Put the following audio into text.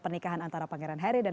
tapi karena saya menikmati radya